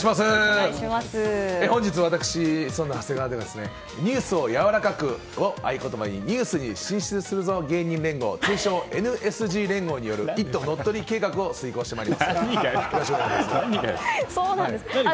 本日は私、シソンヌ長谷川がニュースをやわらかく！を合言葉にニュースに進出するぞ芸人連合通称Ｎ・Ｓ・Ｇ連合による「イット！」乗っ取り計画を遂行してまいります。